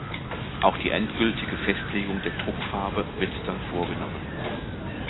Auch die endgültige Festlegung der Druckfarbe wird dann vorgenommen.